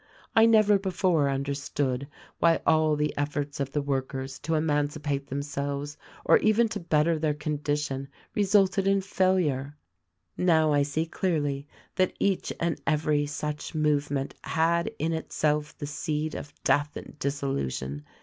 I never before understood why all the efforts of the workers to emancipate themselves or even to better their condition resulted in failure. Now I see clearly that each and every such movement had in itself the seed of death and dissolution.